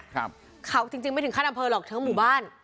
ครับเขาจริงจริงไม่ถึงขั้นอำเภอหรอกทั้งหมู่บ้าน